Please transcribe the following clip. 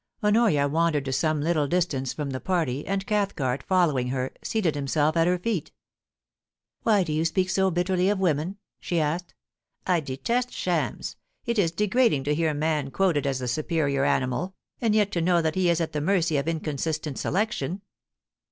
Honoria wandered to some little distance from the party, and Cathcart, following her, seated himself at her feet. * Why do you speak so bitterly of women ?' she asked. * I detest shams. It is degrading to hear man quoted as the superior animal, and yet to know that he is at the mercy of inconsistent selection.'